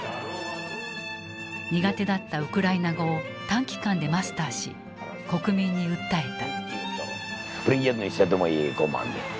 苦手だったウクライナ語を短期間でマスターし国民に訴えた。